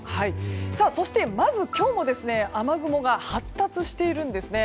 そして、まず今日も雨雲が発達しているんです。